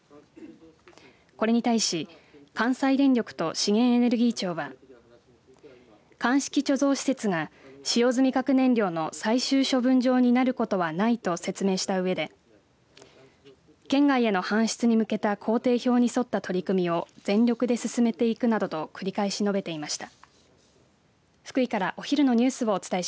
これに対し関西電力と資源エネルギー庁は乾式貯蔵施設が使用済み核燃料の最終処分場になることはないと説明したうえで県外への搬出に向けた工程表に沿った取り組みを全力で進めていくなどと繰り返し述べていました。